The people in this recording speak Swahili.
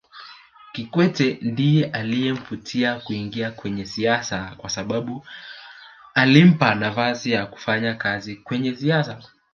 Kikwete ndiye aliyemvutia kuingia kwenye siasa kwasababu alimpa nafasi ya kufanya kazi kwenye siasa